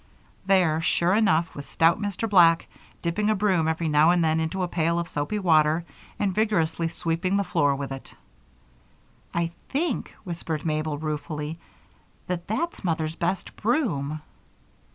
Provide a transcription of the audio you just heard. There, sure enough, was stout Mr. Black dipping a broom every now and then into a pail of soapy water and vigorously sweeping the floor with it. "I think," whispered Mabel, ruefully, "that that's Mother's best broom."